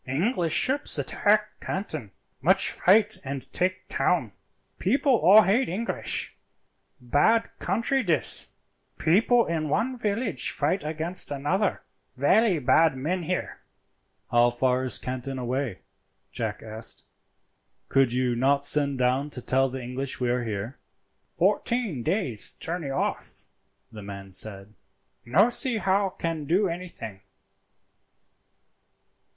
English ships attack Canton, much fight and take town, people all hate English. Bad country dis. People in one village fight against another. Velly bad men here." "How far is Canton away?" Jack asked. "Could you not send down to tell the English we are here?" "Fourteen days' journey off," the man said; "no see how can do anything."